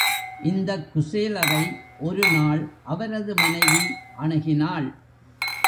இந்தக் குசேலரை ஒருநாள் அவரது மனைவி அணுகினாள்.